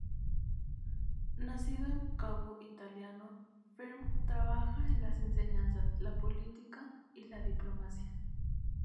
Nacido en Cabo Haitiano, Firmin trabajó en la enseñanza, la política y la diplomacia.